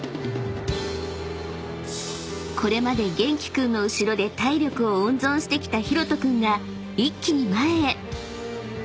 ［これまでげんき君の後ろで体力を温存してきたひろと君が一気に前へ］